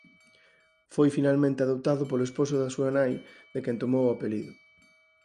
Foi finalmente adoptado polo esposo da súa nai de quen tomou o apelido.